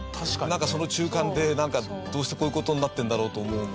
なんかその中間でどうしてこういう事になってるんだろうと思うものと。